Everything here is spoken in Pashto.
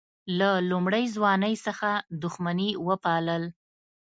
له لومړۍ ځوانۍ څخه دښمني وپالل.